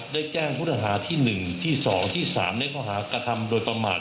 ได้แจ้งพูดภาคที่๑ที่๒และที่๓ในพูดภาคก็ทำโดยประมาท